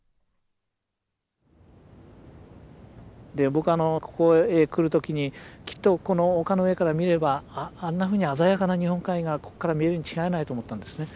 僕ここへ来る時にきっとこの丘の上から見ればあんなふうに鮮やかな日本海がこっから見えるに違いないと思ったんですね。